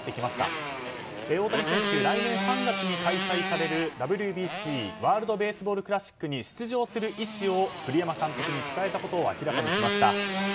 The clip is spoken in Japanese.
来年３月に開催されるＷＢＣ・ワールド・ベースボール・クラシックに出場する意思を栗山監督に伝えたことを明らかにしました。